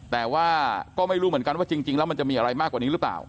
แต่ว่าก็ไม่รู้เหมือนกันว่าจริงแล้วมันจะมีอะไรมากกว่านี้หรือเปล่า